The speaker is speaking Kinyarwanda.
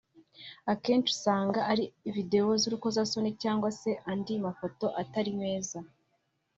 Akenshi uzasanga ari videwo z’urukozasoni cyangwa se andi mafoto atari meza